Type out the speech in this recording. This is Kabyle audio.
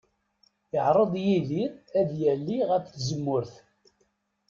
Iɛreḍ Yidir ad yali ɣef tzemmurt.